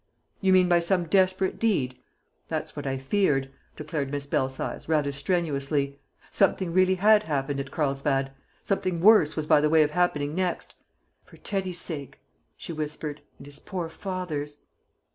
"You mean by some desperate deed? That's what I feared," declared Miss Belsize, rather strenuously. "Something really had happened at Carlsbad; something worse was by way of happening next. For Teddy's sake," she whispered, "and his poor father's!"